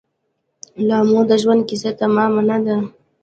لامو د ژوند کیسه تمامه نه ده